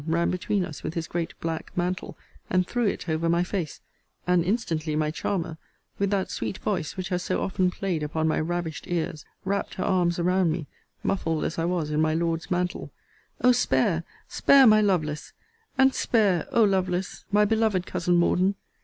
ran between us with his great black mantle, and threw it over my face: and instantly my charmer, with that sweet voice which has so often played upon my ravished ears, wrapped her arms around me, muffled as I was in my Lord's mantle: O spare, spare my Lovelace! and spare, O Lovelace, my beloved cousin Morden!